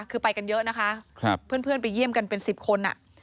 คือไปกันเยอะนะคะเพื่อนไปเยี่ยมกันเป็น๑๐คน